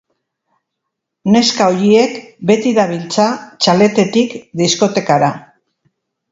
Neska horiek beti dabiltza txaletetik diskotekara.